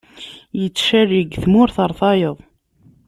Yettcali seg tmurt ɣer tayeḍ.